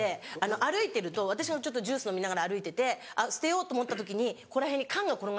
歩いてると私ジュース飲みながら歩いてて捨てようと思った時にここら辺に缶が転がってたり。